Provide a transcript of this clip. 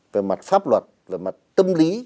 về mặt pháp luật về mặt tâm lý